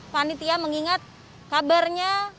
panitia mengingat kabarnya